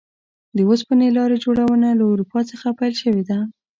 د اوسپنې لارې جوړونه له اروپا څخه پیل شوې ده.